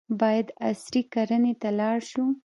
باید عصري کرنې ته لاړ شو.